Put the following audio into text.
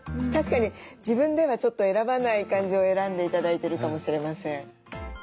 確かに自分ではちょっと選ばない感じを選んで頂いてるかもしれません。